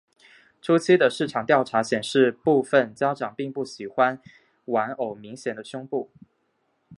初期的市场调查显示部份家长并不喜欢玩偶明显的胸部。